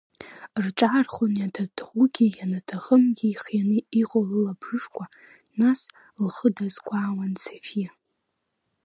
Рҿаархон, ианаҭахугьы, ианаҭахымгьы ихианы иҟоу лылабжышқәа, нас, лхы дазгәаауан Софиа…